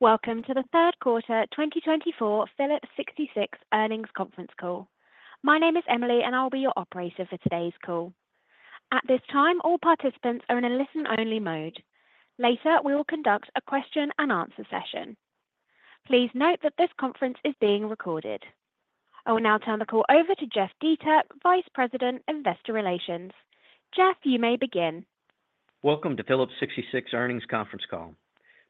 Welcome to the third quarter 2024 Phillips 66 earnings conference call. My name is Emily, and I'll be your operator for today's call. At this time, all participants are in a listen-only mode. Later, we will conduct a question-and-answer session. Please note that this conference is being recorded. I will now turn the call over to Jeff Dietert, Vice President, Investor Relations. Jeff, you may begin. Welcome to Phillips 66 earnings conference call.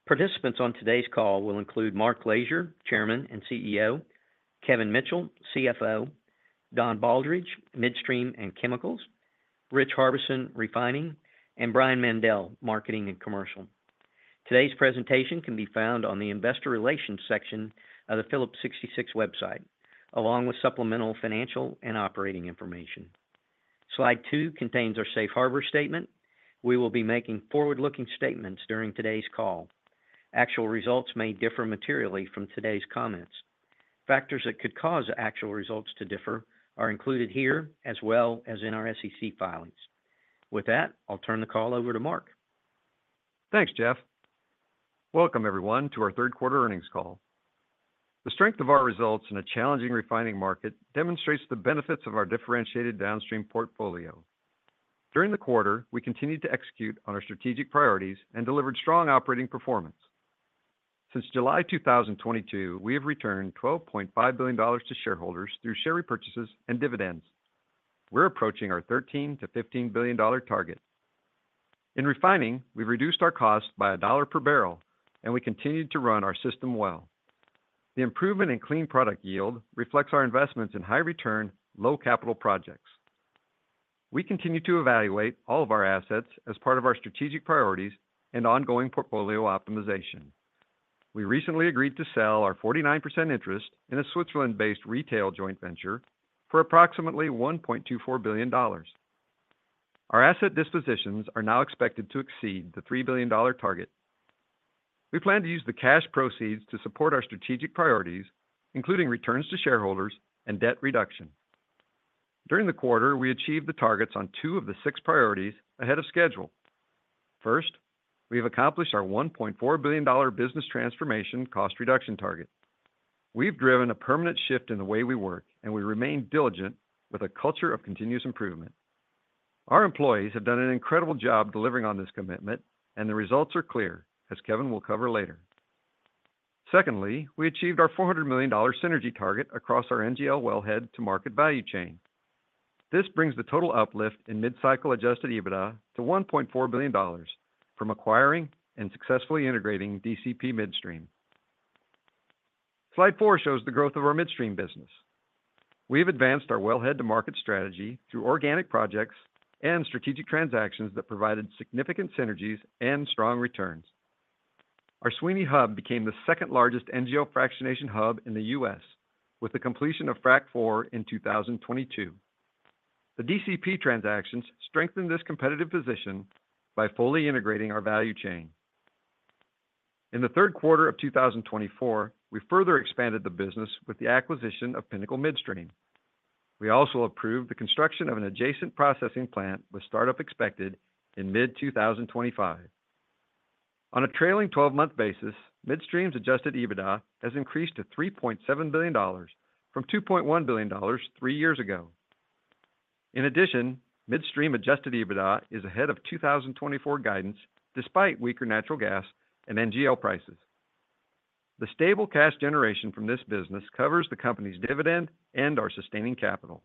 Participants on today's call will include Mark Lashier, Chairman and CEO; Kevin Mitchell, CFO; Don Baldridge, Midstream and Chemicals; Rich Harbison, Refining; and Brian Mandell, Marketing and Commercial. Today's presentation can be found on the Investor Relations section of the Phillips 66 website, along with supplemental financial and operating information. Slide 2 contains our safe harbor statement. We will be making forward-looking statements during today's call. Actual results may differ materially from today's comments. Factors that could cause actual results to differ are included here, as well as in our SEC filings. With that, I'll turn the call over to Mark. Thanks, Jeff. Welcome, everyone, to our third quarter earnings call. The strength of our results in a challenging refining market demonstrates the benefits of our differentiated downstream portfolio. During the quarter, we continued to execute on our strategic priorities and delivered strong operating performance. Since July 2022, we have returned $12.5 billion to shareholders through share repurchases and dividends. We're approaching our $13 billion-$15 billion target. In refining, we've reduced our cost by $1 per barrel, and we continue to run our system well. The improvement in clean product yield reflects our investments in high-return, low-capital projects. We continue to evaluate all of our assets as part of our strategic priorities and ongoing portfolio optimization. We recently agreed to sell our 49% interest in a Switzerland-based retail joint venture for approximately $1.24 billion. Our asset dispositions are now expected to exceed the $3 billion target. We plan to use the cash proceeds to support our strategic priorities, including returns to shareholders and debt reduction. During the quarter, we achieved the targets on two of the six priorities ahead of schedule. First, we have accomplished our $1.4 billion business transformation cost reduction target. We've driven a permanent shift in the way we work, and we remain diligent with a culture of continuous improvement. Our employees have done an incredible job delivering on this commitment, and the results are clear, as Kevin will cover later. Secondly, we achieved our $400 million synergy target across our NGL wellhead to market value chain. This brings the total uplift in mid-cycle adjusted EBITDA to $1.4 billion from acquiring and successfully integrating DCP Midstream. Slide 4 shows the growth of our midstream business. We have advanced our wellhead to market strategy through organic projects and strategic transactions that provided significant synergies and strong returns. Our Sweeny Hub became the second-largest NGL fractionation hub in the U.S., with the completion of Frac 4 in 2022. The DCP transactions strengthened this competitive position by fully integrating our value chain. In the third quarter of 2024, we further expanded the business with the acquisition of Pinnacle Midstream. We also approved the construction of an adjacent processing plant with startup expected in mid-2025. On a trailing 12-month basis, Midstream's adjusted EBITDA has increased to $3.7 billion from $2.1 billion three years ago. In addition, Midstream adjusted EBITDA is ahead of 2024 guidance despite weaker natural gas and NGL prices. The stable cash generation from this business covers the company's dividend and our sustaining capital.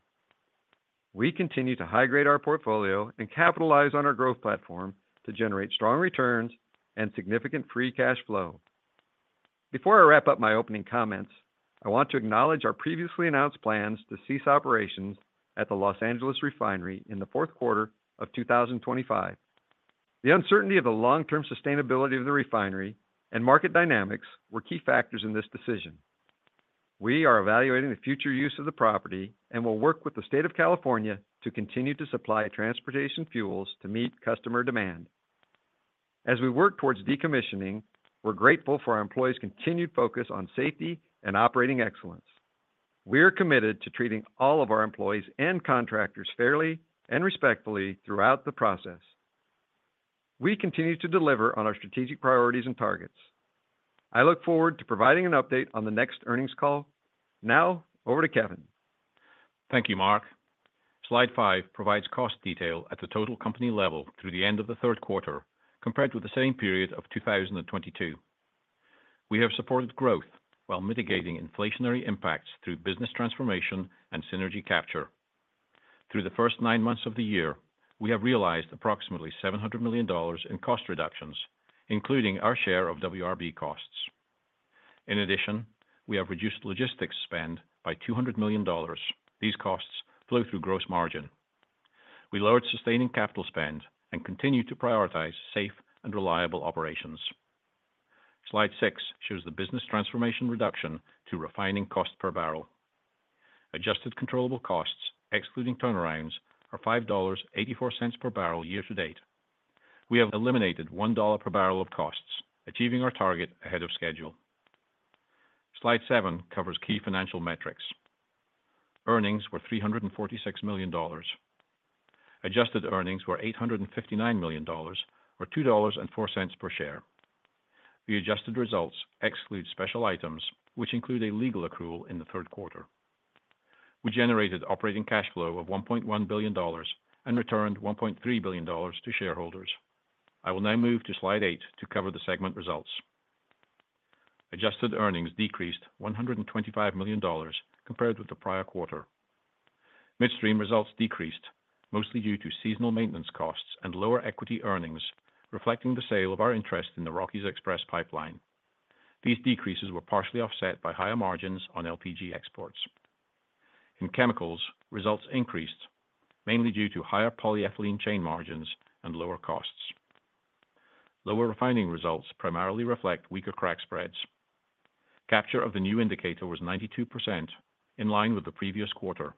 We continue to high-grade our portfolio and capitalize on our growth platform to generate strong returns and significant free cash flow. Before I wrap up my opening comments, I want to acknowledge our previously announced plans to cease operations at the Los Angeles Refinery in the fourth quarter of 2025. The uncertainty of the long-term sustainability of the refinery and market dynamics were key factors in this decision. We are evaluating the future use of the property and will work with the state of California to continue to supply transportation fuels to meet customer demand. As we work towards decommissioning, we're grateful for our employees' continued focus on safety and operating excellence. We are committed to treating all of our employees and contractors fairly and respectfully throughout the process. We continue to deliver on our strategic priorities and targets. I look forward to providing an update on the next earnings call. Now, over to Kevin. Thank you, Mark. Slide 5 provides cost detail at the total company level through the end of the third quarter, compared with the same period of 2022. We have supported growth while mitigating inflationary impacts through business transformation and synergy capture. Through the first nine months of the year, we have realized approximately $700 million in cost reductions, including our share of WRB costs. In addition, we have reduced logistics spend by $200 million. These costs flow through gross margin. We lowered sustaining capital spend and continue to prioritize safe and reliable operations. Slide 6 shows the business transformation reduction to refining cost per barrel. Adjusted controllable costs, excluding turnarounds, are $5.84 per barrel year-to-date. We have eliminated $1 per barrel of costs, achieving our target ahead of schedule. Slide 7 covers key financial metrics. Earnings were $346 million. Adjusted earnings were $859 million, or $2.04 per share. The adjusted results exclude special items, which include a legal accrual in the third quarter. We generated operating cash flow of $1.1 billion and returned $1.3 billion to shareholders. I will now move to Slide 8 to cover the segment results. Adjusted earnings decreased $125 million compared with the prior quarter. Midstream results decreased, mostly due to seasonal maintenance costs and lower equity earnings, reflecting the sale of our interest in the Rockies Express Pipeline. These decreases were partially offset by higher margins on LPG exports. In chemicals, results increased, mainly due to higher polyethylene chain margins and lower costs. Lower refining results primarily reflect weaker crack spreads. Capture of the new indicator was 92%, in line with the previous quarter.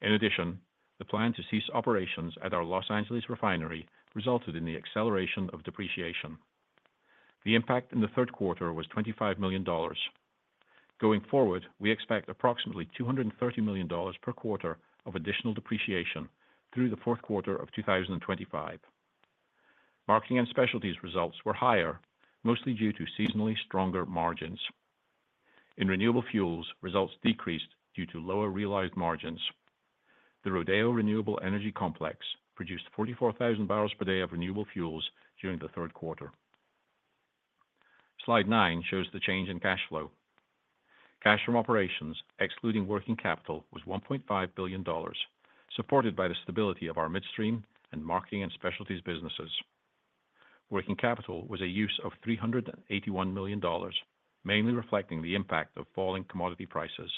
In addition, the plan to cease operations at our Los Angeles Refinery resulted in the acceleration of depreciation. The impact in the third quarter was $25 million. Going forward, we expect approximately $230 million per quarter of additional depreciation through the fourth quarter of 2025. Marketing and Specialties results were higher, mostly due to seasonally stronger margins. In renewable fuels, results decreased due to lower realized margins. The Rodeo Renewable Energy Complex produced 44,000 bbl per day of renewable fuels during the third quarter. Slide 9 shows the change in cash flow. Cash from operations, excluding working capital, was $1.5 billion, supported by the stability of our midstream and marketing and specialties businesses. Working capital was a use of $381 million, mainly reflecting the impact of falling commodity prices.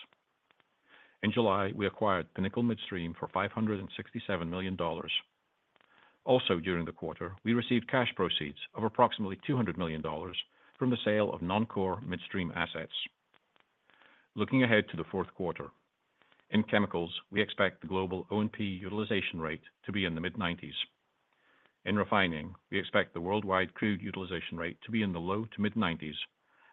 In July, we acquired Pinnacle Midstream for $567 million. Also, during the quarter, we received cash proceeds of approximately $200 million from the sale of non-core midstream assets. Looking ahead to the fourth quarter, in chemicals, we expect the global O&P utilization rate to be in the mid-90s. In refining, we expect the worldwide crude utilization rate to be in the low to mid-90s%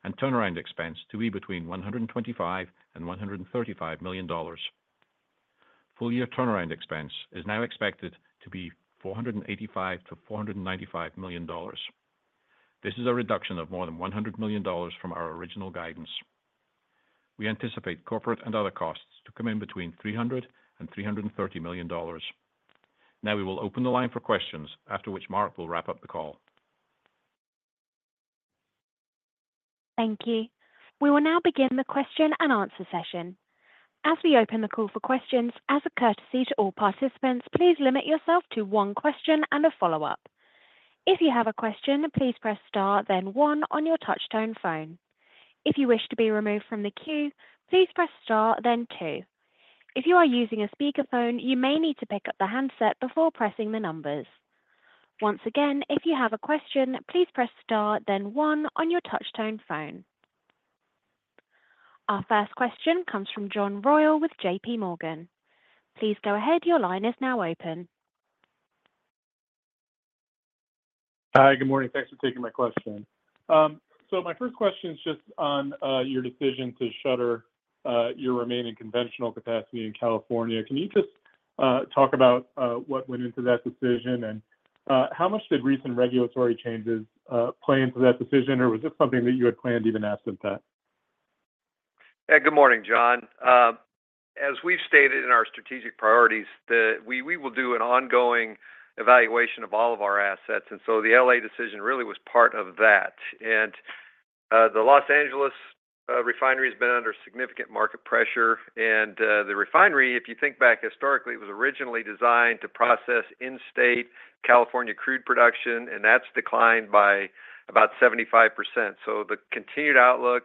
and turnaround expense to be between $125-$135 million. Full-year turnaround expense is now expected to be $485 million-$495 million. This is a reduction of more than $100 million from our original guidance. We anticipate corporate and other costs to come in between $300 million-$330 million. Now, we will open the line for questions, after which Mark will wrap up the call. Thank you. We will now begin the question and answer session. As we open the call for questions, as a courtesy to all participants, please limit yourself to one question and a follow-up. If you have a question, please press star, then one on your touch-tone phone. If you wish to be removed from the queue, please press star, then two. If you are using a speakerphone, you may need to pick up the handset before pressing the numbers. Once again, if you have a question, please press star, then one on your touch-tone phone. Our first question comes from John Royall with J.P. Morgan. Please go ahead. Your line is now open. Hi, good morning. Thanks for taking my question. So my first question is just on your decision to shutter your remaining conventional capacity in California. Can you just talk about what went into that decision, and how much did recent regulatory changes play into that decision, or was this something that you had planned even after that? Yeah, good morning, John. As we've stated in our strategic priorities, we will do an ongoing evaluation of all of our assets, and so the LA decision really was part of that, and the Los Angeles Refinery has been under significant market pressure, and the refinery, if you think back historically, was originally designed to process in-state California crude production, and that's declined by about 75%, so the continued outlook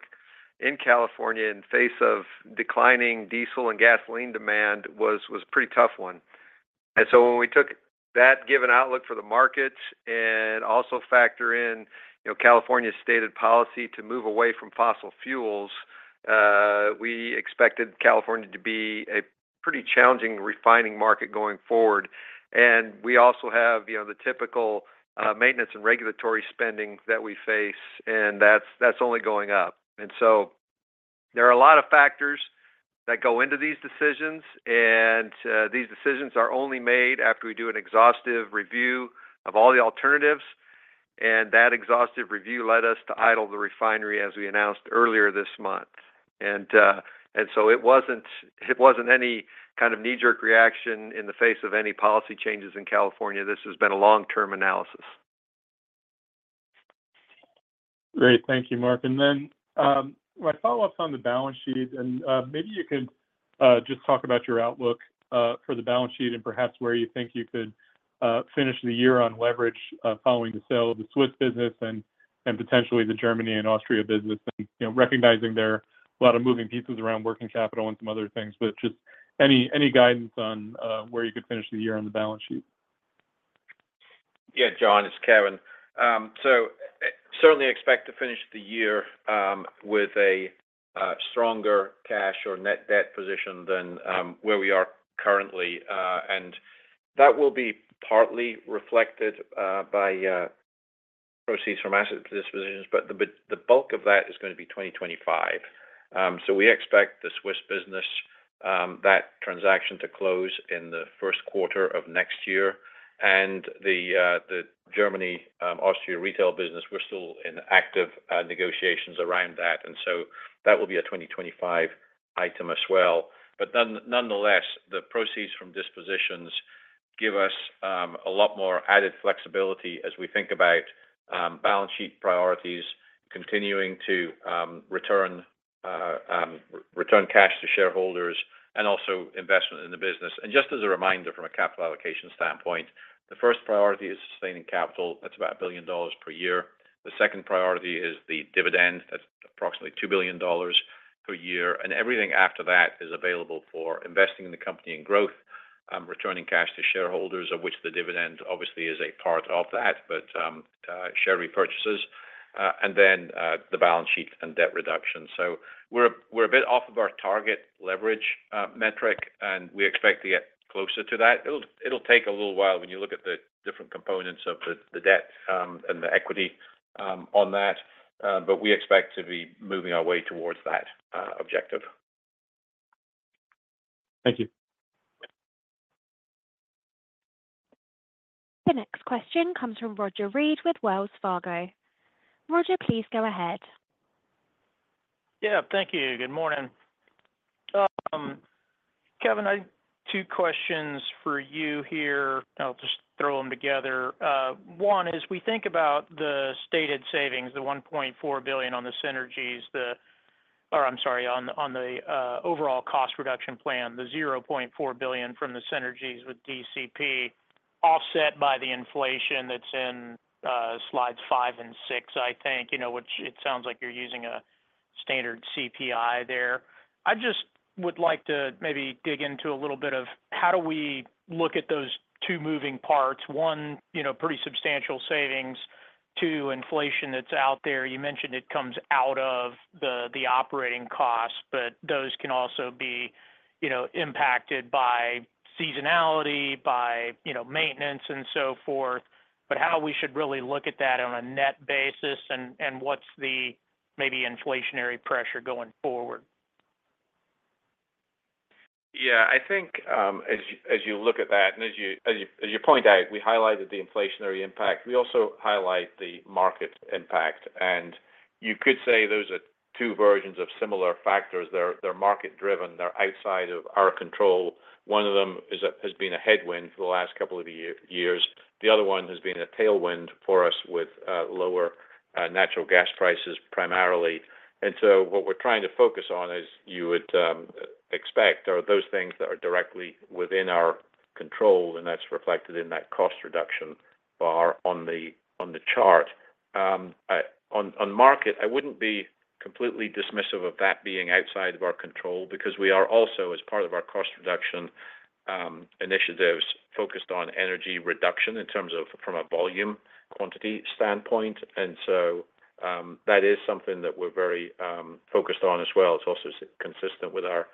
in California in the face of declining diesel and gasoline demand was a pretty tough one, and so when we took that given outlook for the markets and also factored in California's stated policy to move away from fossil fuels, we expected California to be a pretty challenging refining market going forward, and we also have the typical maintenance and regulatory spending that we face, and that's only going up. And so there are a lot of factors that go into these decisions, and these decisions are only made after we do an exhaustive review of all the alternatives, and that exhaustive review led us to idle the refinery, as we announced earlier this month. And so it wasn't any kind of knee-jerk reaction in the face of any policy changes in California. This has been a long-term analysis. Great. Thank you, Mark. And then my follow-ups on the balance sheet, and maybe you could just talk about your outlook for the balance sheet and perhaps where you think you could finish the year on leverage following the sale of the Swiss business and potentially the Germany and Austria business, and recognizing there are a lot of moving pieces around working capital and some other things. But just any guidance on where you could finish the year on the balance sheet? Yeah, John, it's Kevin, so certainly expect to finish the year with a stronger cash or net debt position than where we are currently, and that will be partly reflected by proceeds from asset dispositions, but the bulk of that is going to be 2025, so we expect the Swiss business, that transaction to close in the first quarter of next year, and the Germany-Austria retail business, we're still in active negotiations around that, and so that will be a 2025 item as well, but nonetheless, the proceeds from dispositions give us a lot more added flexibility as we think about balance sheet priorities, continuing to return cash to shareholders, and also investment in the business, and just as a reminder from a capital allocation standpoint, the first priority is sustaining capital. That's about $1 billion per year. The second priority is the dividend. That's approximately $2 billion per year. And everything after that is available for investing in the company and growth, returning cash to shareholders, of which the dividend obviously is a part of that, but share repurchases, and then the balance sheet and debt reduction. So we're a bit off of our target leverage metric, and we expect to get closer to that. It'll take a little while when you look at the different components of the debt and the equity on that, but we expect to be moving our way towards that objective. Thank you. The next question comes from Roger Read with Wells Fargo. Roger, please go ahead. Yeah, thank you. Good morning. Kevin, I have two questions for you here. I'll just throw them together. One is, when we think about the stated savings, the $1.4 billion on the synergies, or I'm sorry, on the overall cost reduction plan, the $0.4 billion from the synergies with DCP, offset by the inflation that's in slides five and six, I think, which it sounds like you're using a standard CPI there. I just would like to maybe dig into a little bit of how do we look at those two moving parts. One, pretty substantial savings. Two, inflation that's out there. You mentioned it comes out of the operating costs, but those can also be impacted by seasonality, by maintenance, and so forth. But how we should really look at that on a net basis and what's the maybe inflationary pressure going forward? Yeah, I think as you look at that, and as you point out, we highlighted the inflationary impact. We also highlight the market impact. And you could say those are two versions of similar factors. They're market-driven. They're outside of our control. One of them has been a headwind for the last couple of years. The other one has been a tailwind for us with lower natural gas prices primarily. And so what we're trying to focus on, as you would expect, are those things that are directly within our control, and that's reflected in that cost reduction bar on the chart. On market, I wouldn't be completely dismissive of that being outside of our control because we are also, as part of our cost reduction initiatives, focused on energy reduction in terms of from a volume quantity standpoint. And so that is something that we're very focused on as well. It's also consistent with our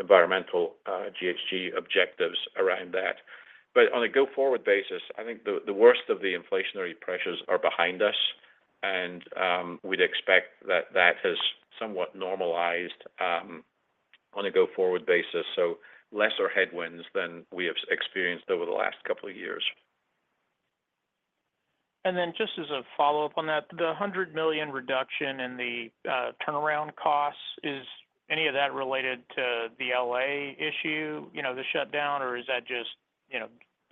environmental GHG objectives around that. But on a go-forward basis, I think the worst of the inflationary pressures are behind us, and we'd expect that that has somewhat normalized on a go-forward basis, so lesser headwinds than we have experienced over the last couple of years. And then just as a follow-up on that, the $100 million reduction in the turnaround costs, is any of that related to the LA issue, the shutdown, or is that just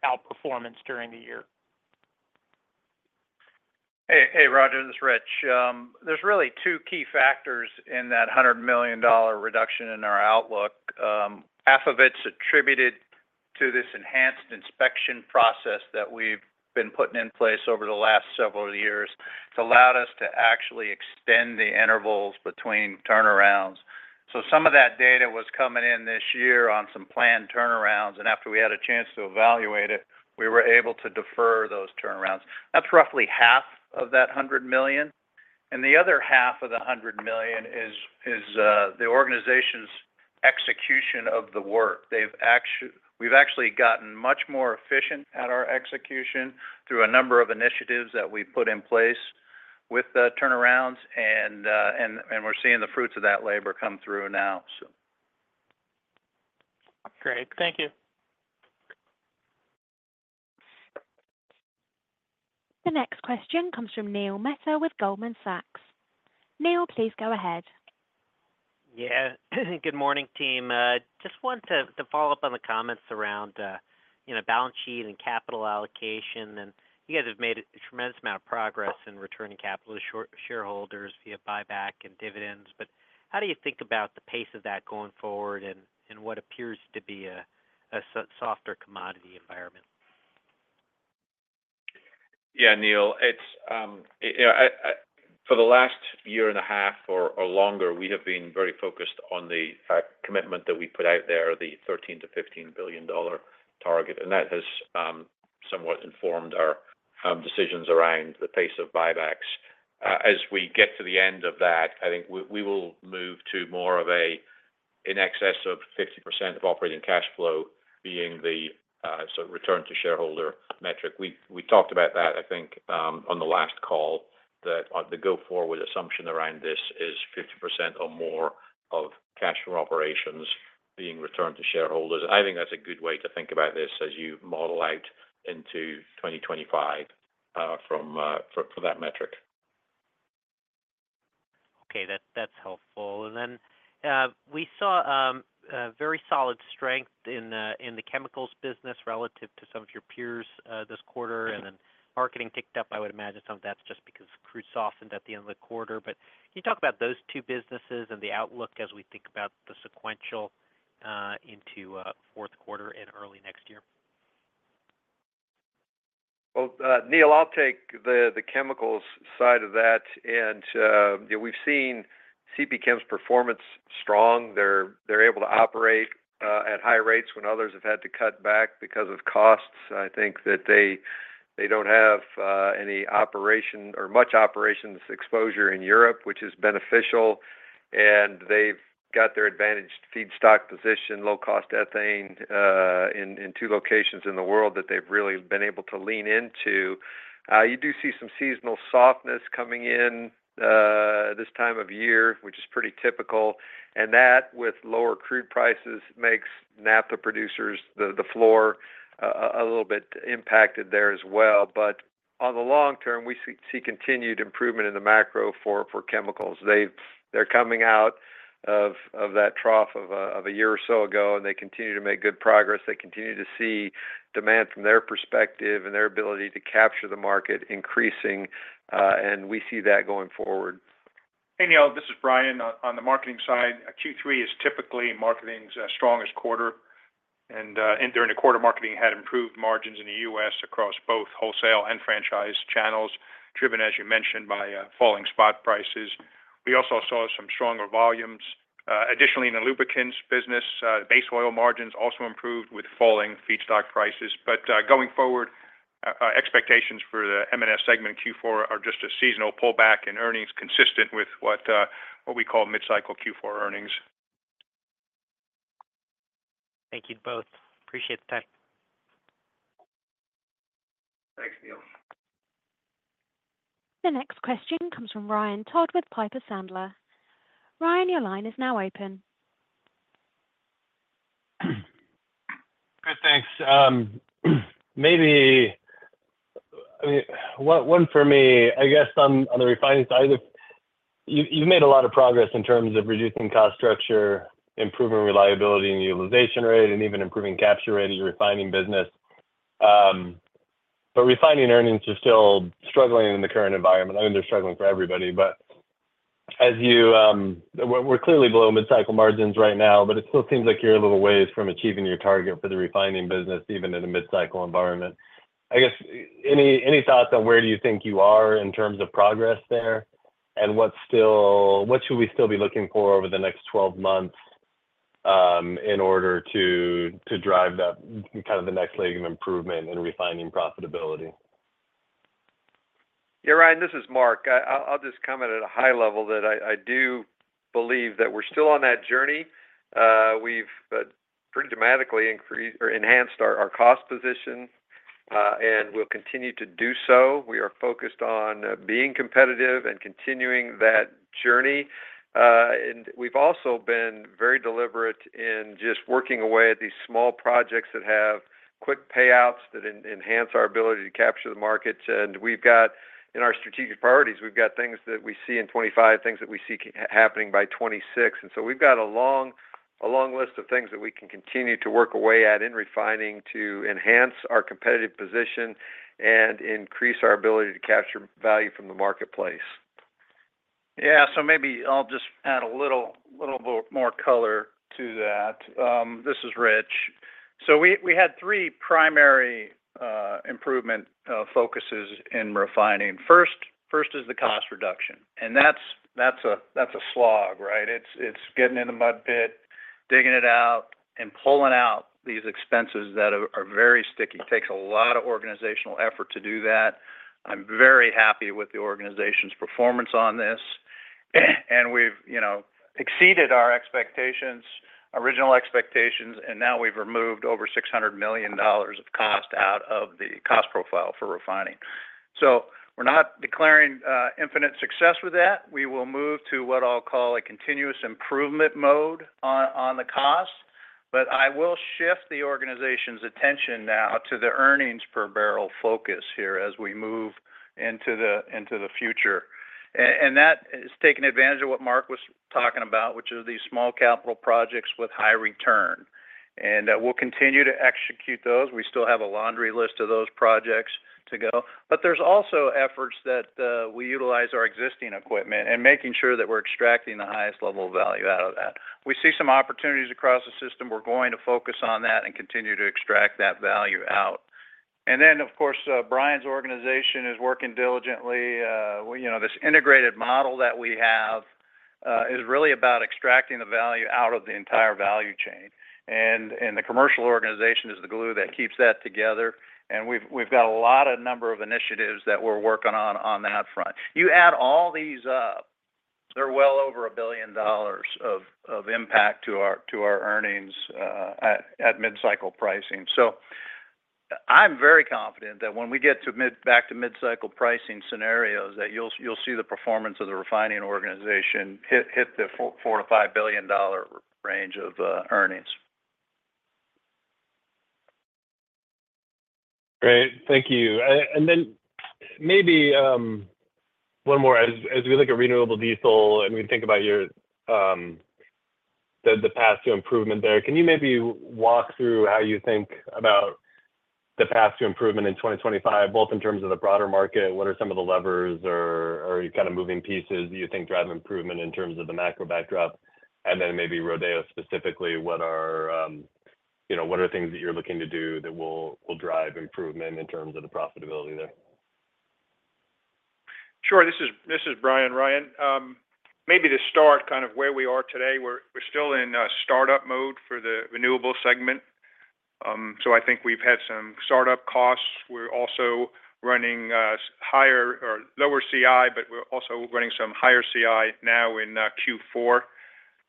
outperformance during the year? Hey, Roger, this is Rich. There's really two key factors in that $100 million reduction in our outlook. Half of it's attributed to this enhanced inspection process that we've been putting in place over the last several years. It's allowed us to actually extend the intervals between turnarounds. Some of that data was coming in this year on some planned turnarounds, and after we had a chance to evaluate it, we were able to defer those turnarounds. That's roughly $50 million. The other $50 million is the organization's execution of the work. We've actually gotten much more efficient at our execution through a number of initiatives that we've put in place with the turnarounds, and we're seeing the fruits of that labor come through now, so. Great. Thank you. The next question comes from Neil Mehta with Goldman Sachs. Neil, please go ahead. Yeah, good morning, team. Just want to follow up on the comments around balance sheet and capital allocation, and you guys have made a tremendous amount of progress in returning capital to shareholders via buyback and dividends. But how do you think about the pace of that going forward and what appears to be a softer commodity environment? Yeah, Neil, for the last year and a half or longer, we have been very focused on the commitment that we put out there, the $13 billion-$15 billion target, and that has somewhat informed our decisions around the pace of buybacks. As we get to the end of that, I think we will move to more of a in excess of 50% of operating cash flow being the return to shareholder metric. We talked about that, I think, on the last call, that the go-forward assumption around this is 50% or more of cash from operations being returned to shareholders. I think that's a good way to think about this as you model out into 2025 for that metric. Okay, that's helpful, and then we saw very solid strength in the chemicals business relative to some of your peers this quarter, and then marketing ticked up, I would imagine, some of that's just because crude softened at the end of the quarter, but can you talk about those two businesses and the outlook as we think about the sequential into fourth quarter and early next year? Well, Neil, I'll take the chemicals side of that. And we've seen CP Chem's performance strong. They're able to operate at high rates when others have had to cut back because of costs. I think that they don't have any operation or much operations exposure in Europe, which is beneficial, and they've got their advantaged feedstock position, low-cost ethane in two locations in the world that they've really been able to lean into. You do see some seasonal softness coming in this time of year, which is pretty typical, and that with lower crude prices makes naphtha producers' floor a little bit impacted there as well. But on the long term, we see continued improvement in the macro for chemicals. They're coming out of that trough of a year or so ago, and they continue to make good progress. They continue to see demand from their perspective and their ability to capture the market increasing, and we see that going forward. Hey, Neil, this is Brian. On the marketing side, Q3 is typically marketing's strongest quarter, and during the quarter, marketing had improved margins in the US across both wholesale and franchise channels, driven, as you mentioned, by falling spot prices. We also saw some stronger volumes. Additionally, in the lubricants business, base oil margins also improved with falling feedstock prices. But going forward, expectations for the M&S segment Q4 are just a seasonal pullback in earnings consistent with what we call mid-cycle Q4 earnings. Thank you both. Appreciate the time. Thanks, Neil. The next question comes from Ryan Todd with Piper Sandler. Ryan, your line is now open. Good, thanks. Maybe one for me, I guess, on the refining side. You've made a lot of progress in terms of reducing cost structure, improving reliability and utilization rate, and even improving capture rate of your refining business. But refining earnings are still struggling in the current environment. I mean, they're struggling for everybody. But we're clearly below mid-cycle margins right now, but it still seems like you're a little ways from achieving your target for the refining business, even in a mid-cycle environment. I guess any thoughts on where do you think you are in terms of progress there? And what should we still be looking for over the next 12 months in order to drive kind of the next leg of improvement in refining profitability? Yeah, Ryan, this is Mark. I'll just comment at a high level that I do believe that we're still on that journey. We've pretty dramatically enhanced our cost position, and we'll continue to do so. We are focused on being competitive and continuing that journey. And we've also been very deliberate in just working away at these small projects that have quick payouts that enhance our ability to capture the market. And in our strategic priorities, we've got things that we see in 2025, things that we see happening by 2026. And so we've got a long list of things that we can continue to work away at in refining to enhance our competitive position and increase our ability to capture value from the marketplace. Yeah, so maybe I'll just add a little more color to that. This is Rich. So we had three primary improvement focuses in refining. First is the cost reduction, and that's a slog, right? It's getting in the mud pit, digging it out, and pulling out these expenses that are very sticky. It takes a lot of organizational effort to do that. I'm very happy with the organization's performance on this, and we've exceeded our original expectations, and now we've removed over $600 million of cost out of the cost profile for refining. So we're not declaring infinite success with that. We will move to what I'll call a continuous improvement mode on the cost. But I will shift the organization's attention now to the earnings per barrel focus here as we move into the future. And that is taking advantage of what Mark was talking about, which are these small capital projects with high return. And we'll continue to execute those. We still have a laundry list of those projects to go. But there's also efforts that we utilize our existing equipment and making sure that we're extracting the highest level of value out of that. We see some opportunities across the system. We're going to focus on that and continue to extract that value out. And then, of course, Brian's organization is working diligently. This integrated model that we have is really about extracting the value out of the entire value chain. And the commercial organization is the glue that keeps that together. And we've got a lot of number of initiatives that we're working on on that front. You add all these up, they're well over $1 billion of impact to our earnings at mid-cycle pricing. So I'm very confident that when we get back to mid-cycle pricing scenarios, that you'll see the performance of the refining organization hit the $4 billion-$5 billion range of earnings. Great. Thank you. And then maybe one more. As we look at renewable diesel and we think about the path to improvement there, can you maybe walk through how you think about the path to improvement in 2025, both in terms of the broader market? What are some of the levers or kind of moving pieces that you think drive improvement in terms of the macro backdrop? And then maybe Rodeo specifically, what are things that you're looking to do that will drive improvement in terms of the profitability there? Sure. This is Brian. Ryan, maybe to start kind of where we are today, we're still in startup mode for the renewable segment. So I think we've had some startup costs. We're also running lower CI, but we're also running some higher CI now in Q4.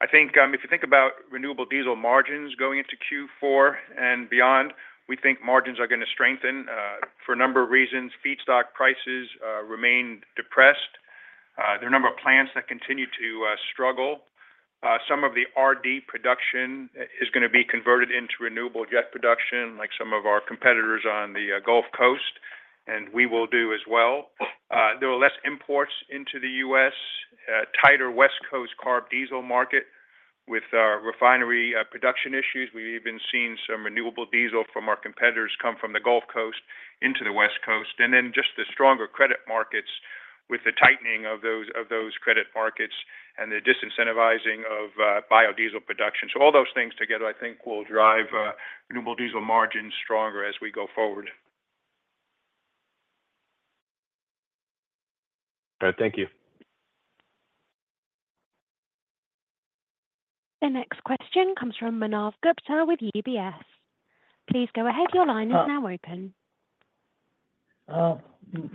I think if you think about renewable diesel margins going into Q4 and beyond, we think margins are going to strengthen for a number of reasons. Feedstock prices remain depressed. There are a number of plants that continue to struggle. Some of the RD production is going to be converted into renewable jet production, like some of our competitors on the Gulf Coast, and we will do as well. There are less imports into the US, tighter West Coast CARB diesel market with refinery production issues. We've even seen some renewable diesel from our competitors come from the Gulf Coast into the West Coast. And then just the stronger credit markets with the tightening of those credit markets and the disincentivizing of biodiesel production. So all those things together, I think, will drive renewable diesel margins stronger as we go forward. Thank you. The next question comes from Manav Gupta with UBS. Please go ahead. Your line is now open.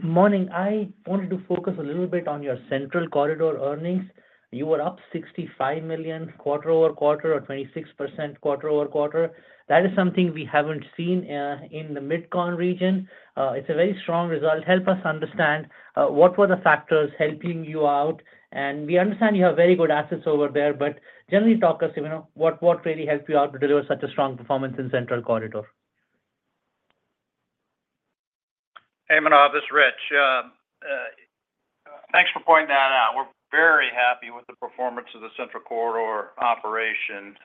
Morning. I wanted to focus a little bit on your central corridor earnings. You were up $65 million quarter over quarter or 26% quarter over quarter. That is something we haven't seen in the Mid-Con region. It's a very strong result. Help us understand what were the factors helping you out, and we understand you have very good assets over there, but generally tell us what really helped you out to deliver such a strong performance in central corridor? Hey, Manav. This is Rich. Thanks for pointing that out. We're very happy with the performance of the central corridor operation.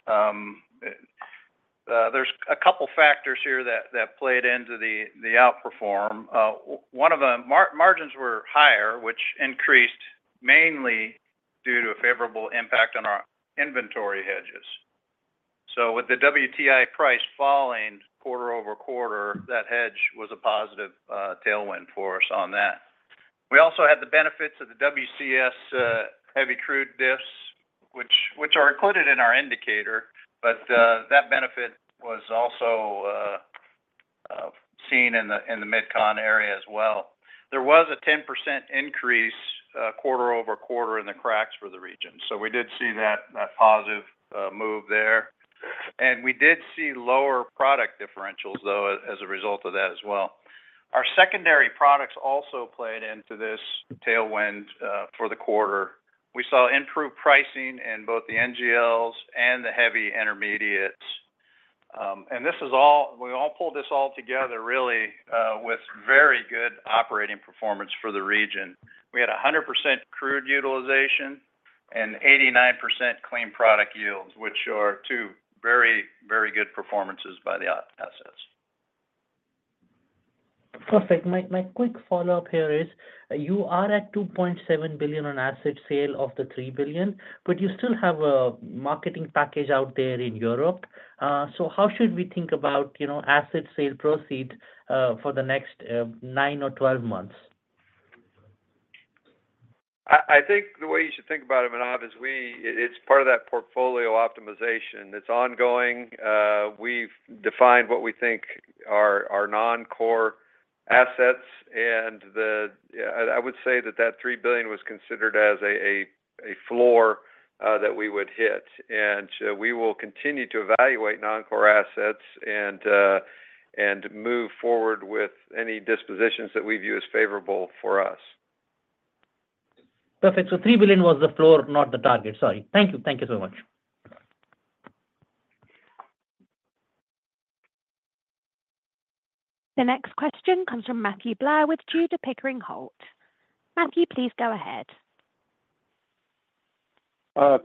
There's a couple of factors here that played into the outperform. One of them, margins were higher, which increased mainly due to a favorable impact on our inventory hedges. With the WTI price falling quarter over quarter, that hedge was a positive tailwind for us on that. We also had the benefits of the WCS heavy crude diffs, which are included in our indicator, but that benefit was also seen in the Mid-Continent area as well. There was a 10% increase quarter over quarter in the cracks for the region. We did see that positive move there. We did see lower product differentials, though, as a result of that as well. Our secondary products also played into this tailwind for the quarter. We saw improved pricing in both the NGLs and the heavy intermediates, and we all pulled this all together, really, with very good operating performance for the region. We had 100% crude utilization and 89% clean product yields, which are two very, very good performances by the assets. Perfect. My quick follow-up here is you are at $2.7 billion on asset sale of the $3 billion, but you still have a marketing package out there in Europe. So how should we think about asset sale proceeds for the next nine or 12 months? I think the way you should think about it, Manav, is it's part of that portfolio optimization. It's ongoing. We've defined what we think are non-core assets. And I would say that that $3 billion was considered as a floor that we would hit. And we will continue to evaluate non-core assets and move forward with any dispositions that we view as favorable for us. Perfect. So $3 billion was the floor, not the target. Sorry. Thank you. Thank you so much. The next question comes from Matthew Blair with Tudor Pickering Holt. Matthew, please go ahead.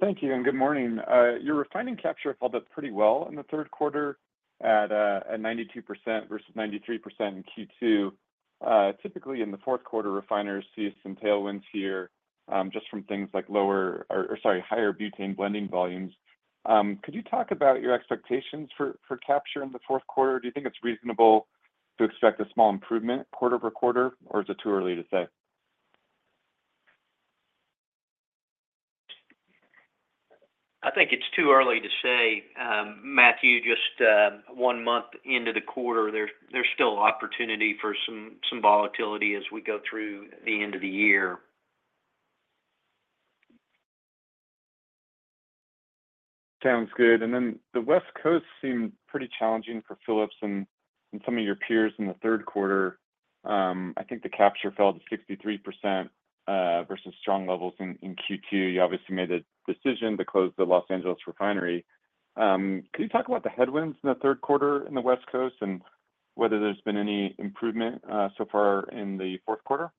Thank you. And good morning. Your refining capture held up pretty well in the third quarter at 92% vs 93% in Q2. Typically, in the fourth quarter, refiners see some tailwinds here just from things like lower or, sorry, higher butane blending volumes. Could you talk about your expectations for capture in the fourth quarter? Do you think it's reasonable to expect a small improvement quarter over quarter, or is it too early to say? I think it's too early to say. Matthew, just one month into the quarter, there's still opportunity for some volatility as we go through the end of the year. Sounds good. And then the West Coast seemed pretty challenging for Phillips and some of your peers in the third quarter. I think the capture fell to 63% versus strong levels in Q2. You obviously made the decision to close the Los Angeles refinery. Could you talk about the headwinds in the third quarter in the West Coast and whether there's been any improvement so far in the fourth quarter?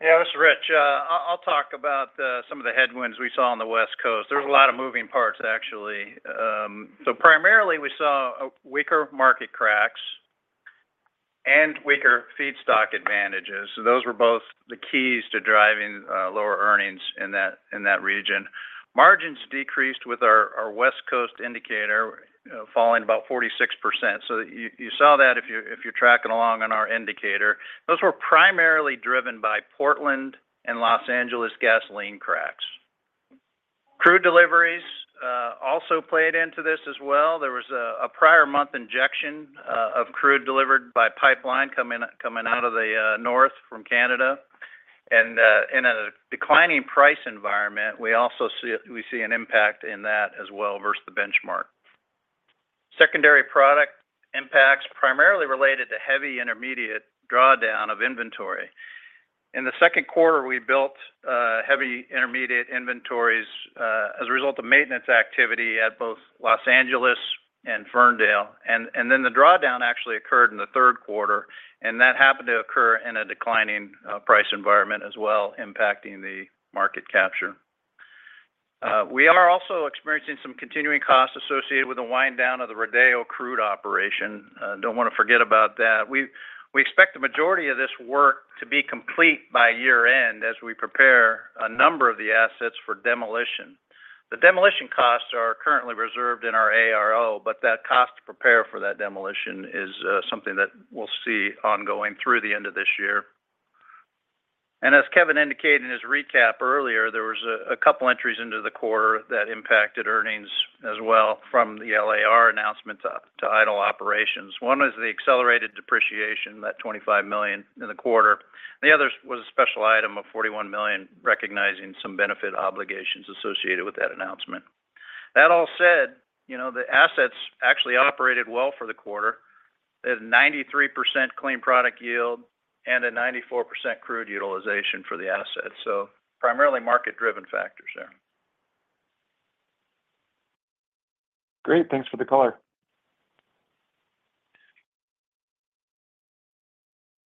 Yeah, this is Rich. I'll talk about some of the headwinds we saw on the West Coast. There's a lot of moving parts, actually. So primarily, we saw weaker market cracks and weaker feedstock advantages. Those were both the keys to driving lower earnings in that region. Margins decreased with our West Coast indicator falling about 46%. So you saw that if you're tracking along on our indicator. Those were primarily driven by Portland and Los Angeles gasoline cracks. Crude deliveries also played into this as well. There was a prior month injection of crude delivered by pipeline coming out of the north from Canada. And in a declining price environment, we see an impact in that as well versus the benchmark. Secondary product impacts primarily related to heavy intermediate drawdown of inventory. In the second quarter, we built heavy intermediate inventories as a result of maintenance activity at both Los Angeles and Ferndale, and then the drawdown actually occurred in the third quarter. And that happened to occur in a declining price environment as well, impacting the market capture. We are also experiencing some continuing costs associated with the wind down of the Rodeo crude operation. Don't want to forget about that. We expect the majority of this work to be complete by year-end as we prepare a number of the assets for demolition. The demolition costs are currently reserved in our ARO, but that cost to prepare for that demolition is something that we'll see ongoing through the end of this year, and as Kevin indicated in his recap earlier, there were a couple of entries into the quarter that impacted earnings as well from the LAR announcement to idle operations. One was the accelerated depreciation, that $25 million in the quarter. The other was a special item of $41 million, recognizing some benefit obligations associated with that announcement. That all said, the assets actually operated well for the quarter. They had a 93% clean product yield and a 94% crude utilization for the assets. So primarily market-driven factors there. Great. Thanks for the color.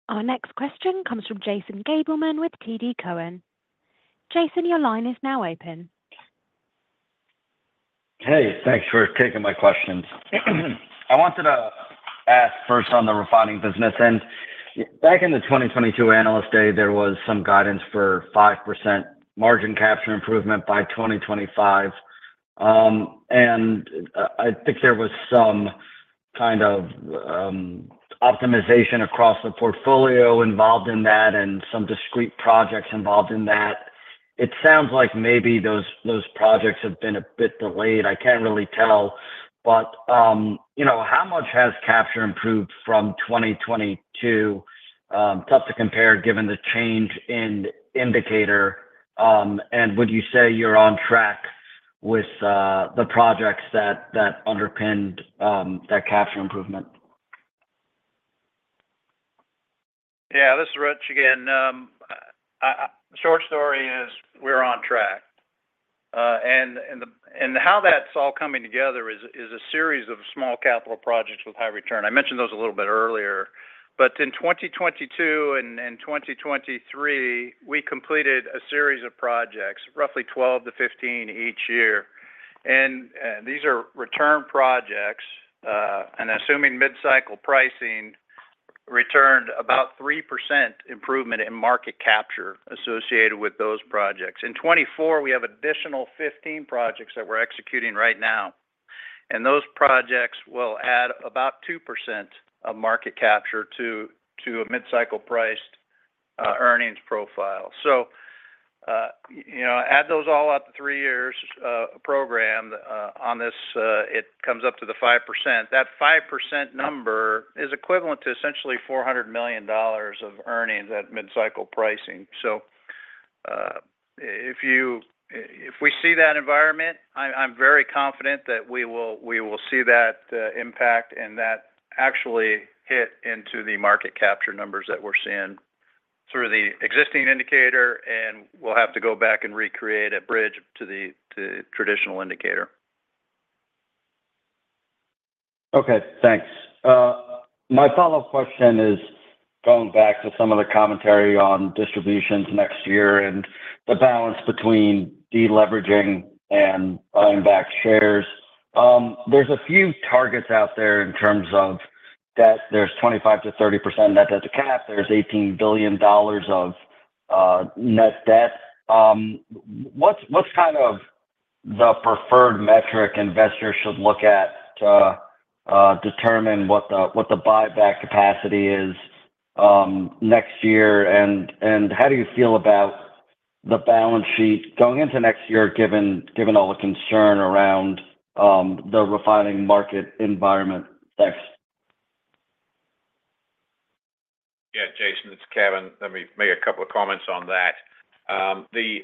Our next question comes from Jason Gabelman with TD Cowen. Jason, your line is now open. Hey, thanks for taking my questions. I wanted to ask first on the refining business end. Back in the 2022 analyst day, there was some guidance for 5% margin capture improvement by 2025. And I think there was some kind of optimization across the portfolio involved in that and some discrete projects involved in that. It sounds like maybe those projects have been a bit delayed. I can't really tell. But how much has capture improved from 2022? Tough to compare given the change in indicator. And would you say you're on track with the projects that underpinned that capture improvement? Yeah. This is Rich again. Short story is we're on track. And how that's all coming together is a series of small capital projects with high return. I mentioned those a little bit earlier. But in 2022 and 2023, we completed a series of projects, roughly 12 to 15 each year. And these are return projects. And assuming mid-cycle pricing, returned about 3% improvement in market capture associated with those projects. In 2024, we have additional 15 projects that we're executing right now. And those projects will add about 2% of market capture to a mid-cycle priced earnings profile. So add those all up to three years program on this, it comes up to the 5%. That 5% number is equivalent to essentially $400 million of earnings at mid-cycle pricing. So if we see that environment, I'm very confident that we will see that impact and that actually hit into the market capture numbers that we're seeing through the existing indicator. And we'll have to go back and recreate a bridge to the traditional indicator. Okay. Thanks. My follow-up question is going back to some of the commentary on distributions next year and the balance between deleveraging and buying back shares. There's a few targets out there in terms of that there's 25%-30% net debt to cap. There's $18 billion of net debt. What's kind of the preferred metric investors should look at to determine what the buyback capacity is next year? And how do you feel about the balance sheet going into next year given all the concern around the refining market environment next? Yeah, Jason, it's Kevin. Let me make a couple of comments on that. The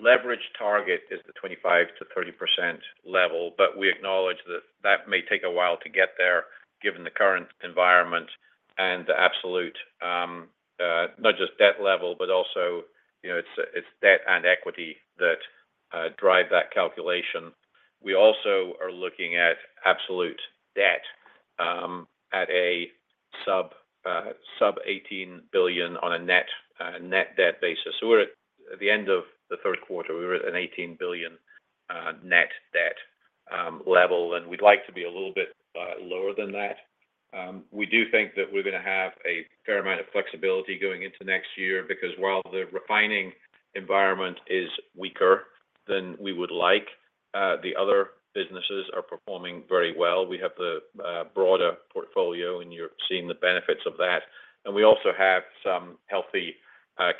leverage target is the 25%-30% level, but we acknowledge that that may take a while to get there given the current environment and the absolute, not just debt level, but also it's debt and equity that drive that calculation. We also are looking at absolute debt at a sub-$18 billion on a net debt basis. So we're at the end of the third quarter. We were at an $18 billion net debt level, and we'd like to be a little bit lower than that. We do think that we're going to have a fair amount of flexibility going into next year because while the refining environment is weaker than we would like, the other businesses are performing very well. We have the broader portfolio, and you're seeing the benefits of that. We also have some healthy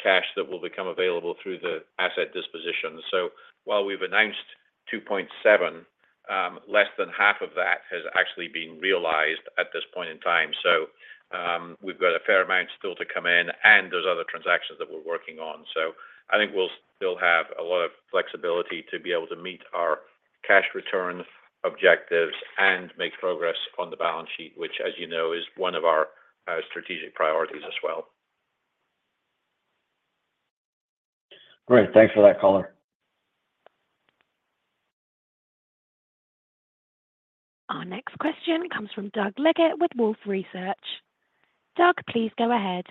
cash that will become available through the asset disposition. So while we've announced $2.7, less than half of that has actually been realized at this point in time. So we've got a fair amount still to come in, and there's other transactions that we're working on. So I think we'll still have a lot of flexibility to be able to meet our cash return objectives and make progress on the balance sheet, which, as you know, is one of our strategic priorities as well. All right. Thanks for that, color. Our next question comes from Doug Leggett with Wolfe Research. Doug, please go ahead.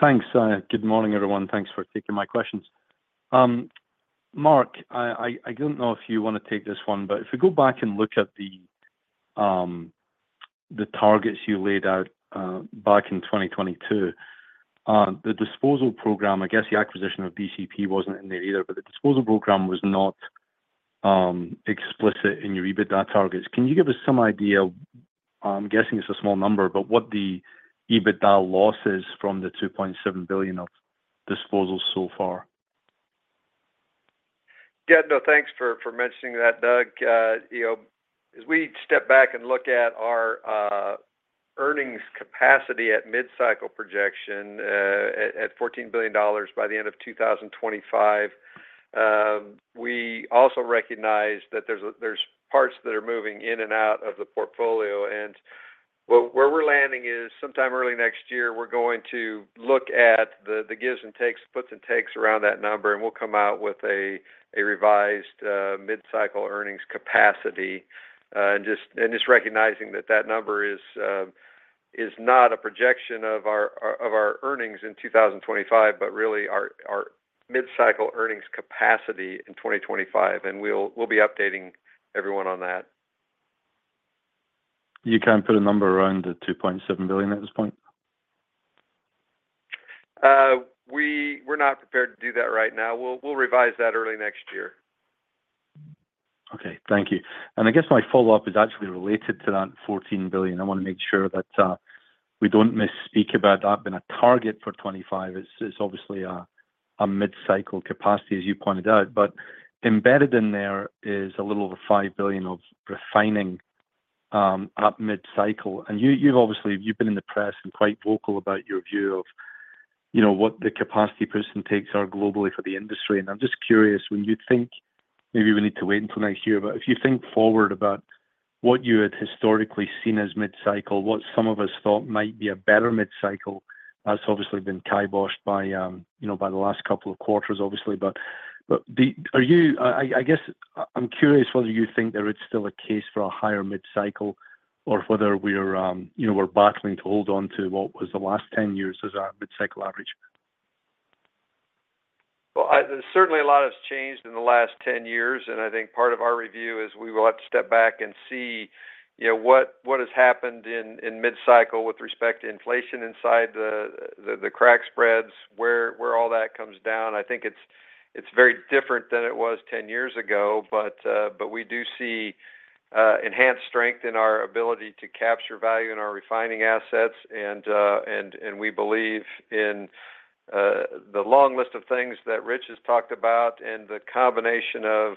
Thanks. Good morning, everyone. Thanks for taking my questions. Mark, I don't know if you want to take this one, but if we go back and look at the targets you laid out back in 2022, the disposal program, I guess the acquisition of DCP wasn't in there either, but the disposal program was not explicit in your EBITDA targets. Can you give us some idea? I'm guessing it's a small number, but what the EBITDA loss is from the $2.7 billion of disposals so far? Yeah. No, thanks for mentioning that, Doug. As we step back and look at our earnings capacity at mid-cycle projection at $14 billion by the end of 2025, we also recognize that there's parts that are moving in and out of the portfolio. And where we're landing is sometime early next year, we're going to look at the gives and takes, puts and takes around that number, and we'll come out with a revised mid-cycle earnings capacity. And just recognizing that that number is not a projection of our earnings in 2025, but really our mid-cycle earnings capacity in 2025. And we'll be updating everyone on that. You can't put a number around the $2.7 billion at this point? We're not prepared to do that right now. We'll revise that early next year. Okay. Thank you. And I guess my follow-up is actually related to that $14 billion. I want to make sure that we don't misspeak about that being a target for 2025. It's obviously a mid-cycle capacity, as you pointed out. But embedded in there is a little over $5 billion of refining at mid-cycle. And you've obviously been in the press and quite vocal about your view of what the capacity puts and takes are globally for the industry. And I'm just curious, when you think maybe we need to wait until next year, but if you think forward about what you had historically seen as mid-cycle, what some of us thought might be a better mid-cycle, that's obviously been kiboshed by the last couple of quarters, obviously. But I guess I'm curious whether you think there is still a case for a higher mid-cycle or whether we're battling to hold on to what was the last 10 years as a mid-cycle average? Certainly a lot has changed in the last 10 years. I think part of our review is we will have to step back and see what has happened in mid-cycle with respect to inflation inside the crack spreads, where all that comes down. I think it's very different than it was 10 years ago, but we do see enhanced strength in our ability to capture value in our refining assets. We believe in the long list of things that Rich has talked about and the combination of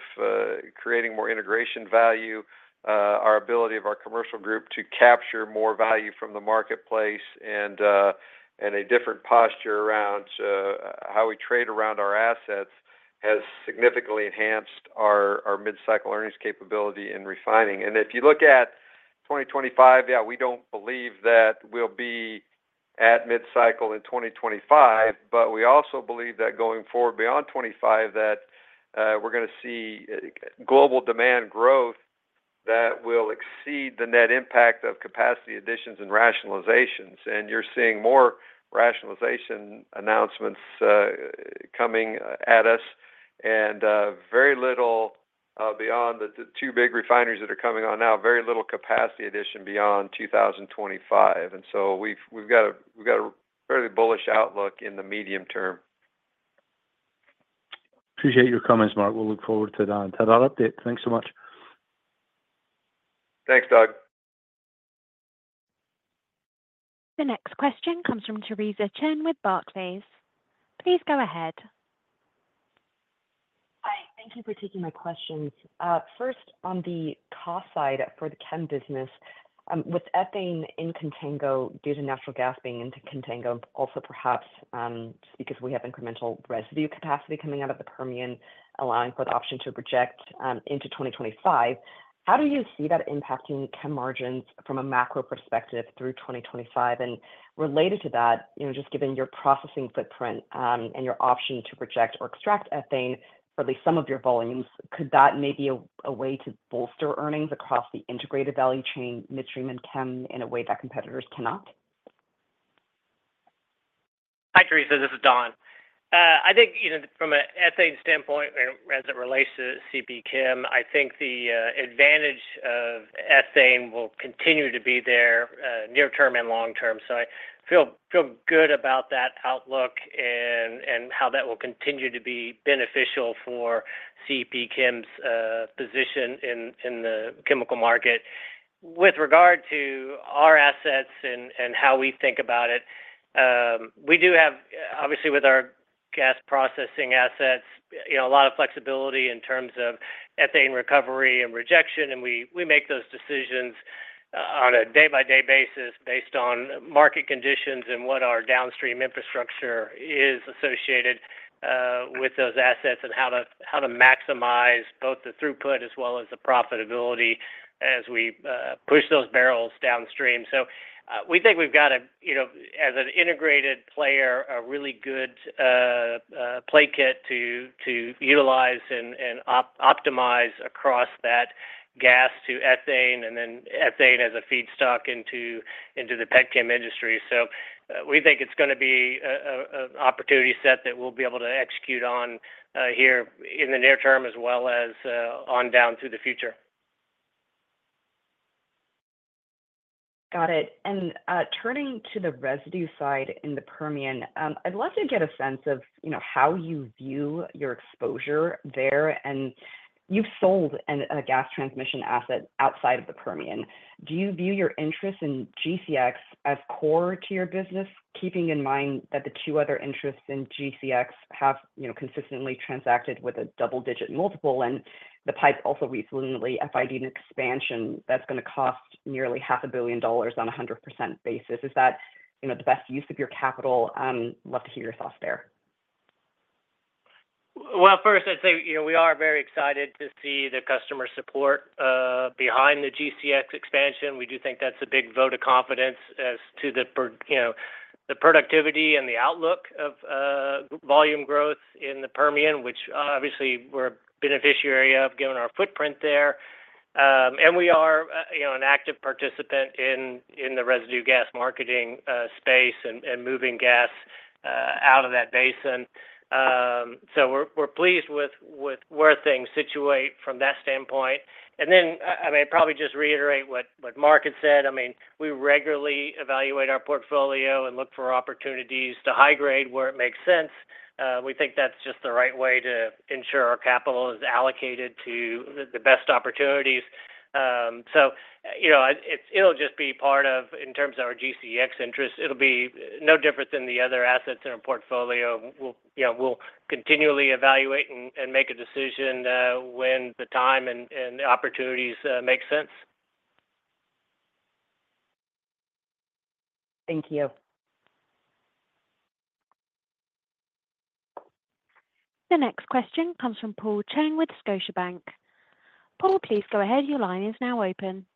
creating more integration value, our ability of our commercial group to capture more value from the marketplace and a different posture around how we trade around our assets has significantly enhanced our mid-cycle earnings capability in refining. And if you look at 2025, yeah, we don't believe that we'll be at mid-cycle in 2025, but we also believe that going forward beyond 2025, that we're going to see global demand growth that will exceed the net impact of capacity additions and rationalizations. And you're seeing more rationalization announcements coming at us. And very little beyond the two big refineries that are coming on now, very little capacity addition beyond 2025. And so we've got a fairly bullish outlook in the medium term. Appreciate your comments, Mark. We'll look forward to that update. Thanks so much. Thanks, Doug. The next question comes from Theresa Chen with Barclays. Please go ahead. Hi. Thank you for taking my questions. First, on the cost side for the chem business, with ethane in contango due to natural gas being into contango, also perhaps just because we have incremental residue capacity coming out of the Permian, allowing for the option to reject into 2025, how do you see that impacting chem margins from a macro perspective through 2025? And related to that, just given your processing footprint and your option to reject or extract ethane for at least some of your volumes, could that maybe be a way to bolster earnings across the integrated value chain, midstream, and chem in a way that competitors cannot? Hi, Theresa. This is Don. I think from an ethane standpoint, as it relates to CP Chem, I think the advantage of ethane will continue to be there near-term and long-term. So I feel good about that outlook and how that will continue to be beneficial for CP Chem's position in the chemical market. With regard to our assets and how we think about it, we do have, obviously, with our gas processing assets, a lot of flexibility in terms of ethane recovery and rejection. And we make those decisions on a day-by-day basis based on market conditions and what our downstream infrastructure is associated with those assets and how to maximize both the throughput as well as the profitability as we push those barrels downstream. So we think we've got, as an integrated player, a really good playbook to utilize and optimize across that gas to ethane and then ethane as a feedstock into the pet chem industry. So we think it's going to be an opportunity set that we'll be able to execute on here in the near term as well as on down through the future. Got it. And turning to the residue side in the Permian, I'd love to get a sense of how you view your exposure there. And you've sold a gas transmission asset outside of the Permian. Do you view your interest in GCX as core to your business, keeping in mind that the two other interests in GCX have consistently transacted with a double-digit multiple and the pipe also recently FID an expansion that's going to cost nearly $500 million on a 100% basis? Is that the best use of your capital? I'd love to hear your thoughts there. First, I'd say we are very excited to see the customer support behind the GCX expansion. We do think that's a big vote of confidence as to the productivity and the outlook of volume growth in the Permian, which obviously we're a beneficiary of given our footprint there. We are an active participant in the residue gas marketing space and moving gas out of that basin. We're pleased with where things situate from that standpoint. I mean, probably just reiterate what Mark had said. I mean, we regularly evaluate our portfolio and look for opportunities to high grade where it makes sense. We think that's just the right way to ensure our capital is allocated to the best opportunities. It'll just be part of, in terms of our GCX interest, it'll be no different than the other assets in our portfolio. We'll continually evaluate and make a decision when the time and opportunities make sense. Thank you. The next question comes from Paul Cheng with Scotiabank. Paul, please go ahead. Your line is now open.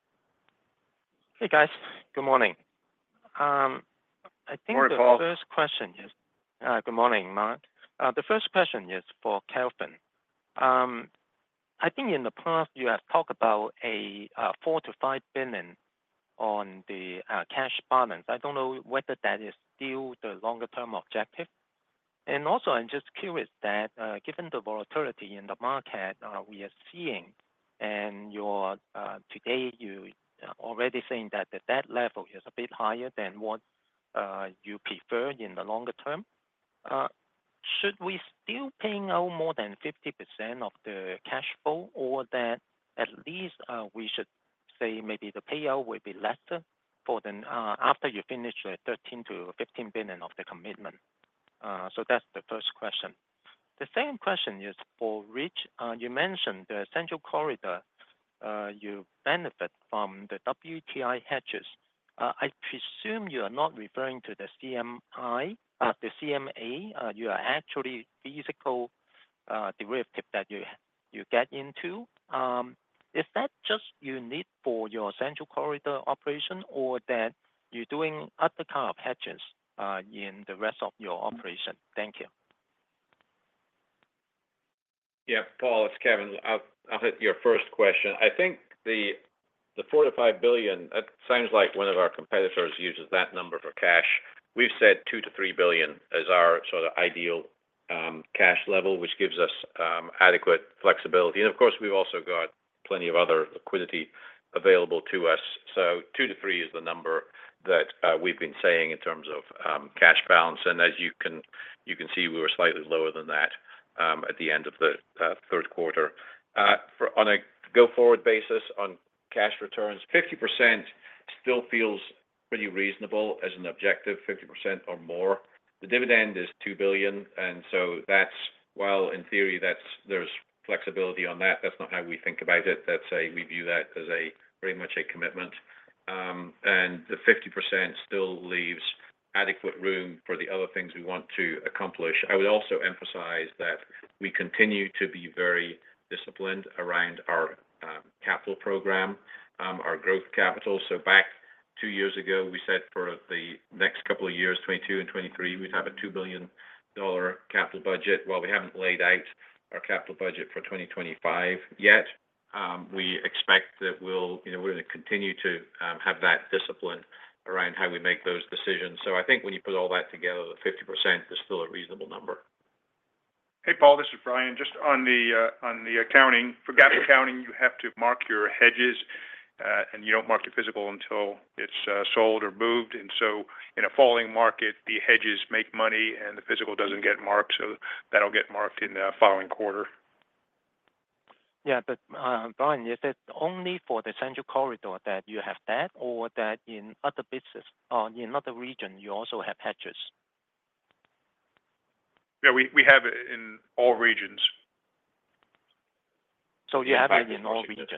Hey, guys. Good morning. I think the first question is good morning, Mark. The first question is for Kevin. I think in the past, you have talked about a $4 billion-$5 billion on the cash balance. I don't know whether that is still the longer-term objective. And also, I'm just curious that given the volatility in the market we are seeing, and today you're already saying that that level is a bit higher than what you prefer in the longer term, should we still paying out more than 50% of the cash flow or that at least we should say maybe the payout will be lesser after you finish the $13 billion-$15 billion of the commitment? So that's the first question. The second question is for Rich. You mentioned the central corridor you benefit from the WTI hedges. I presume you are not referring to the CMA. You are actually physical derivative that you get into. Is that just you need for your central corridor operation or that you're doing other kind of hedges in the rest of your operation? Thank you. Yeah. Paul, it's Kevin. I'll hit your first question. I think the $4 billion-$5 billion, it sounds like one of our competitors uses that number for cash. We've said $2 billion-$3 billion is our sort of ideal cash level, which gives us adequate flexibility. And of course, we've also got plenty of other liquidity available to us. So $2 billion-$3 billion is the number that we've been saying in terms of cash balance. And as you can see, we were slightly lower than that at the end of the third quarter. On a go-forward basis on cash returns, 50% still feels pretty reasonable as an objective, 50% or more. The dividend is $2 billion. And so while in theory there's flexibility on that, that's not how we think about it. We view that as very much a commitment. The 50% still leaves adequate room for the other things we want to accomplish. I would also emphasize that we continue to be very disciplined around our capital program, our growth capital. Back two years ago, we said for the next couple of years, 2022 and 2023, we'd have a $2 billion capital budget. We haven't laid out our capital budget for 2025 yet. We expect that we're going to continue to have that discipline around how we make those decisions. I think when you put all that together, the 50% is still a reasonable number. Hey, Paul, this is Brian. Just on the accounting, for gas accounting, you have to mark your hedges, and you don't mark your physical until it's sold or moved. And so in a falling market, the hedges make money, and the physical doesn't get marked, so that'll get marked in the following quarter. Yeah, but Brian, is it only for the central corridor that you have that, or that in other business in other regions, you also have hedges? Yeah, we have it in all regions. So you have it in all regions.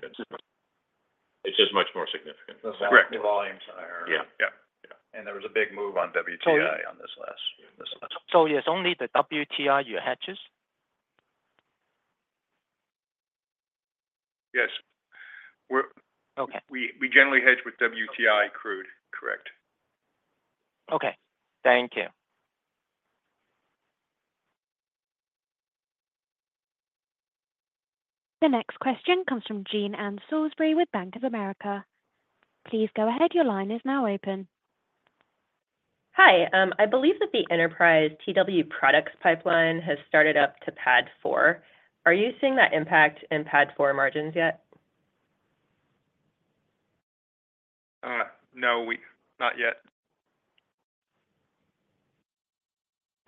It's just much more significant. The volumes are higher. Yeah. Yeah. Yeah. And there was a big move on WTI on this last. So it's only the WTI you hedge? Yes. We generally hedge with WTI crude. Correct. Okay. Thank you. The next question comes from Jean Ann Salisbury with Bank of America. Please go ahead. Your line is now open. Hi. I believe that the Enterprise TW products pipeline has started up to PADD 4. Are you seeing that impact in PADD 4 margins yet? No, not yet.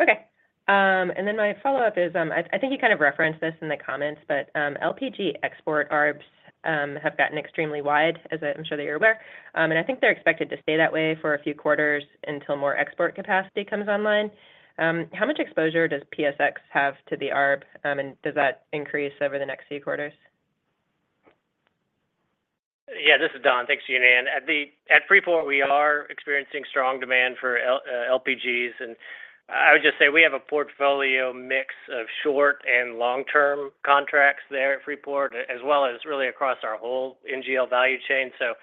Okay. And then my follow-up is, I think you kind of referenced this in the comments, but LPG export arbs have gotten extremely wide, as I'm sure that you're aware. And I think they're expected to stay that way for a few quarters until more export capacity comes online. How much exposure does PSX have to the arbs, and does that increase over the next few quarters? Yeah, this is Don. Thanks, Jean Ann. At Freeport, we are experiencing strong demand for LPGs, and I would just say we have a portfolio mix of short and long-term contracts there at Freeport, as well as really across our whole NGL value chain, so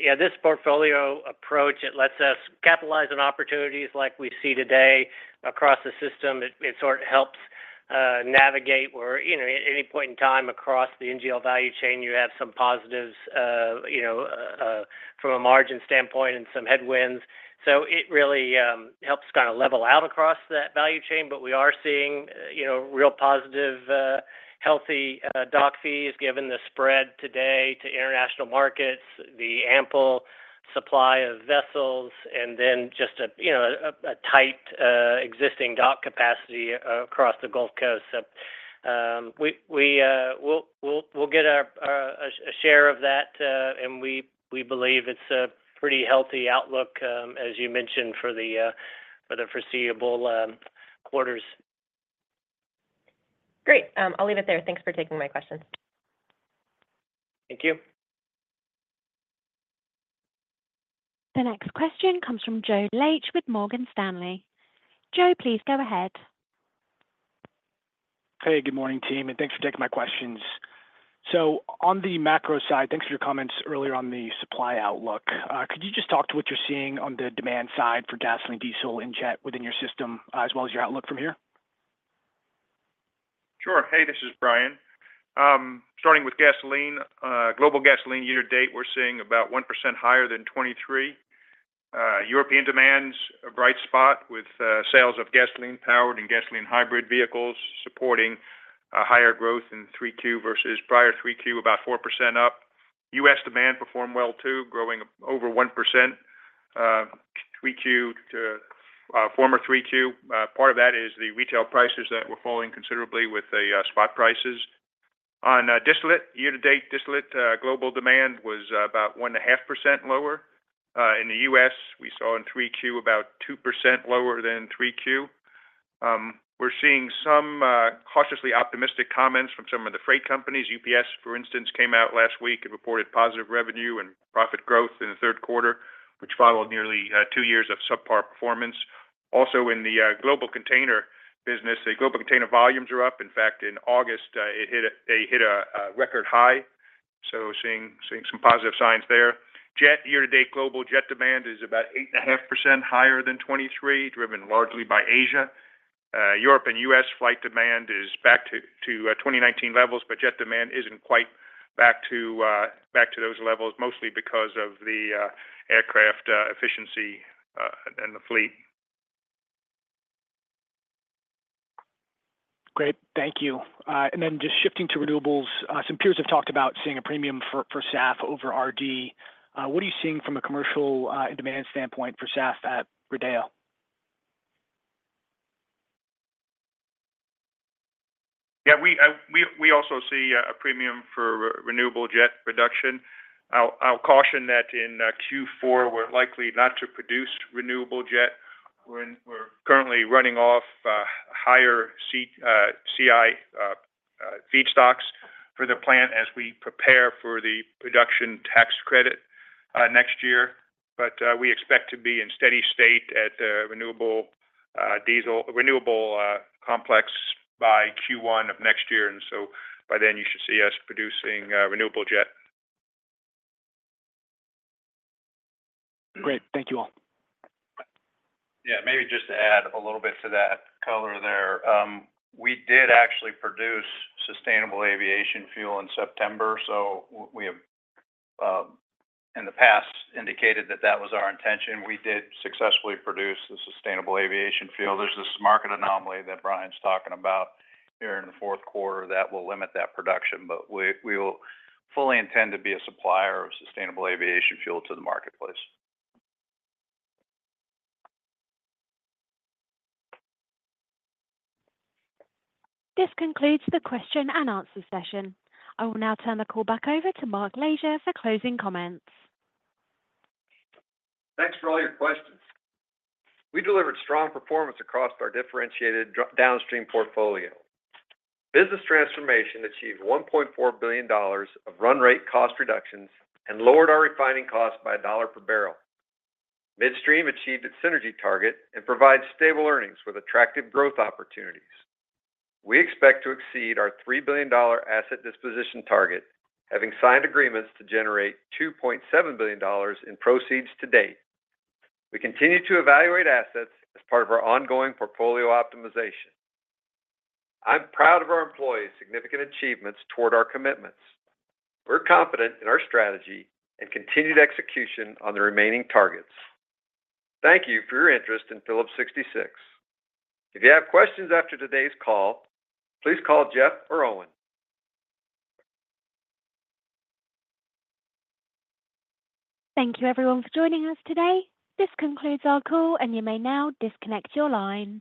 yeah, this portfolio approach, it lets us capitalize on opportunities like we see today across the system. It sort of helps navigate where at any point in time across the NGL value chain, you have some positives from a margin standpoint and some headwinds, so it really helps kind of level out across that value chain, but we are seeing real positive, healthy dock fees given the spread today to international markets, the ample supply of vessels, and then just a tight existing dock capacity across the Gulf Coast. We'll get a share of that, and we believe it's a pretty healthy outlook, as you mentioned, for the foreseeable quarters. Great. I'll leave it there. Thanks for taking my questions. Thank you. The next question comes from Joe Laetsch with Morgan Stanley. Joe, please go ahead. Hey, good morning, team. And thanks for taking my questions. So on the macro side, thanks for your comments earlier on the supply outlook. Could you just talk to what you're seeing on the demand side for gasoline, diesel within your system as well as your outlook from here? Sure. Hey, this is Brian. Starting with gasoline, global gasoline year to date, we're seeing about 1% higher than 2023. European demand, a bright spot with sales of gasoline-powered and gasoline-hybrid vehicles supporting higher growth in 3Q versus prior 3Q, about 4% up. US demand performed well too, growing over 1% from prior 3Q. Part of that is the retail prices that were falling considerably with spot prices. On distillate, year to date, distillate global demand was about 1.5% lower. In the US, we saw in 3Q about 2% lower than 3Q. We're seeing some cautiously optimistic comments from some of the freight companies. UPS, for instance, came out last week and reported positive revenue and profit growth in the third quarter, which followed nearly two years of subpar performance. Also, in the global container business, the global container volumes are up. In fact, in August, they hit a record high. So seeing some positive signs there. Jet, year to date, global jet demand is about 8.5% higher than 2023, driven largely by Asia. Europe and U.S. flight demand is back to 2019 levels, but jet demand isn't quite back to those levels, mostly because of the aircraft efficiency and the fleet. Great. Thank you. And then just shifting to renewables, some peers have talked about seeing a premium for SAF over RD. What are you seeing from a commercial and demand standpoint for SAF at Rodeo? Yeah, we also see a premium for renewable jet production. I'll caution that in Q4, we're likely not to produce renewable jet. We're currently running off higher CI feedstocks for the plant as we prepare for the production tax credit next year. But we expect to be in steady state at the renewable diesel complex by Q1 of next year. And so by then, you should see us producing renewable jet. Great. Thank you all. Yeah. Maybe just to add a little bit to that color there. We did actually produce sustainable aviation fuel in September. So we have, in the past, indicated that that was our intention. We did successfully produce the sustainable aviation fuel. There's this market anomaly that Brian's talking about here in the fourth quarter that will limit that production. But we will fully intend to be a supplier of sustainable aviation fuel to the marketplace. This concludes the question and answer session. I will now turn the call back over to Mark Lashier for closing comments. Thanks for all your questions. We delivered strong performance across our differentiated downstream portfolio. Business transformation achieved $1.4 billion of run rate cost reductions and lowered our refining cost by $1 per barrel. Midstream achieved its synergy target and provides stable earnings with attractive growth opportunities. We expect to exceed our $3 billion asset disposition target, having signed agreements to generate $2.7 billion in proceeds to date. We continue to evaluate assets as part of our ongoing portfolio optimization. I'm proud of our employees' significant achievements toward our commitments. We're confident in our strategy and continued execution on the remaining targets. Thank you for your interest in Phillips 66. If you have questions after today's call, please call Jeff or Owen. Thank you, everyone, for joining us today. This concludes our call, and you may now disconnect your lines.